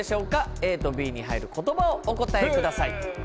ＡとＢに入る言葉をお答えください。